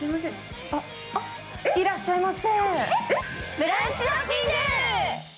いらっしゃいませ。